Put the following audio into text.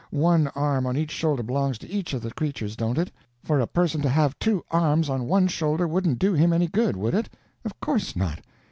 One arm on each shoulder belongs to each of the creatures, don't it? For a person to have two arms on one shoulder wouldn't do him any good, would it? Of course not.